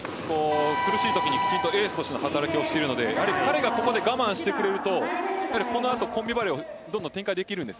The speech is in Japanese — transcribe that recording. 苦しいときにきちんとエースとしての働きをしているので彼がここで我慢してくれるとやはりこの後コンビバレーをどんどん展開できるんです。